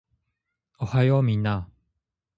おはようみんな